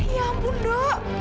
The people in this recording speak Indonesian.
ya ampun do